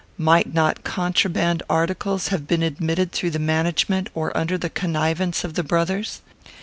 Might not contraband articles have been admitted through the management or under the connivance of the brothers?